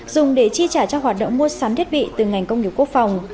dùng để chi trả cho hoạt động mua sắm thiết bị từ ngành công nghiệp quốc phòng